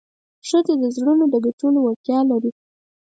ښځه د زړونو د ګټلو وړتیا لري.